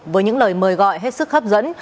với những lời mời gọi hết sức hấp dẫn